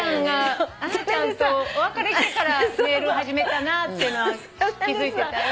ハナちゃんとお別れしてからネイル始めたなっていうのは気付いてたよ。